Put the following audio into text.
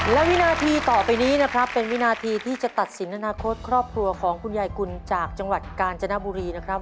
และวินาทีต่อไปนี้นะครับเป็นวินาทีที่จะตัดสินอนาคตครอบครัวของคุณยายกุลจากจังหวัดกาญจนบุรีนะครับ